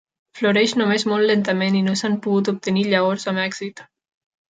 Floreix només molt lentament i no s'han pogut obtenir llavors amb èxit.